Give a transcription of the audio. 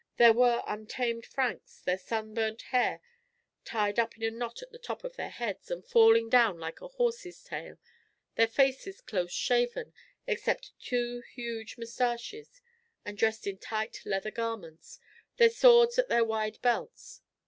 There were, untamed Franks, their sun burnt hair tied up in a knot at the top of their heads, and falling down like a horse's tail, their faces close shaven, except two huge mustaches, and dressed in tight leather garments, with swords at their wide belts.